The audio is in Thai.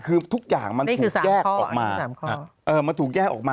คือทุกอย่างมันถูกแยกออกมามันถูกแยกออกมา